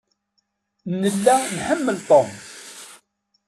Nella nḥemmel Tom.